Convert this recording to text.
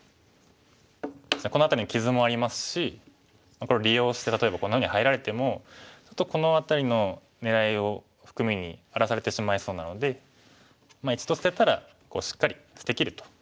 この辺りに傷もありますしこれを利用して例えばこんなふうに入られてもちょっとこの辺りの狙いを含みに荒らされてしまいそうなので一度捨てたらしっかり捨てきると。